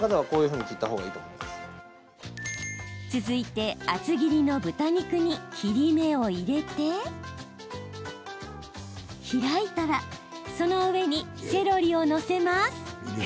続いて、厚切りの豚肉に切り目を入れて開いたらその上にセロリを載せます。